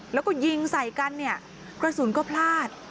แล้วก็ยิงใส่กันเนี่ยกระสุนก็พลาด